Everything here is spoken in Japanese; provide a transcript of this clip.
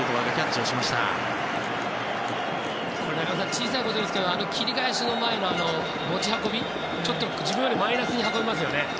小さいことですけど切り返しの前の持ち運び自分よりマイナスに運びますよね。